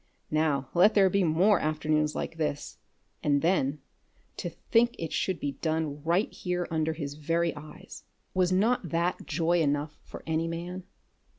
Now let there be more afternoons like this and then to think it should be done right here under his very eyes! Was not that joy enough for any man?